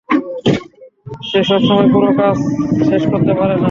সে সবসময় পুরো কাজ শেষ করতে পারেনা।